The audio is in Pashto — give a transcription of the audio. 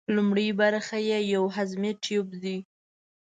لومړۍ برخه یې یو هضمي تیوپ دی.